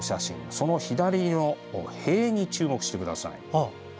その左の塀に注目してください。